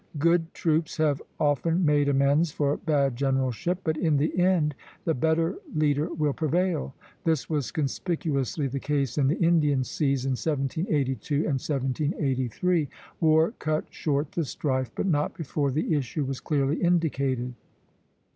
Good troops have often made amends for bad generalship; but in the end the better leader will prevail. This was conspicuously the case in the Indian seas in 1782 and 1783. War cut short the strife, but not before the issue was clearly indicated.